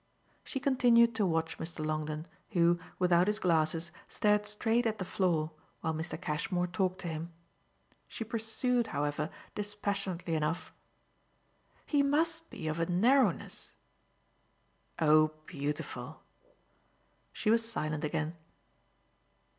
She continued to watch Mr. Longdon, who, without his glasses, stared straight at the floor while Mr. Cashmore talked to him. She pursued, however, dispassionately enough: "He must be of a narrowness !" "Oh beautiful!" She was silent again.